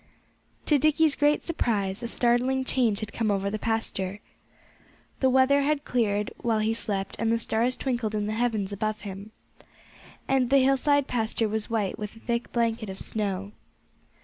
To Dickie's great surprise a startling change had come over the pasture. The weather had cleared while he slept and the stars twinkled in the heavens above him. And the hillside pasture was white with a thick blanket of snow.